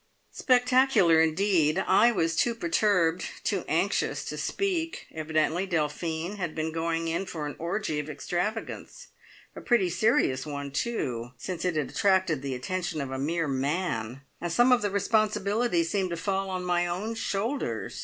Spectacular indeed! I was too perturbed, too anxious to speak. Evidently Delphine had been going in for an orgie of extravagance; a pretty serious one too, since it had attracted the attention of a mere man; and some of the responsibility seemed to fall on my own shoulders!